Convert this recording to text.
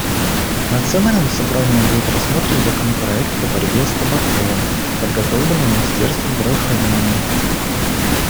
Национальным собранием будет рассмотрен законопроект по борьбе с табаком, подготовленный министерством здравоохранения.